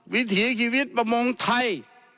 วิถีชีวิตประมงไทย